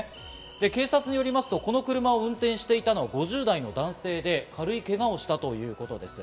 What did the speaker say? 警察によりますと、この車を運転していたのは５０代の男性で、軽いけがをしたということです。